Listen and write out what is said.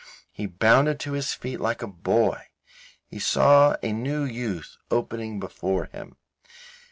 He bounded to his feet like a boy; he saw a new youth opening before him.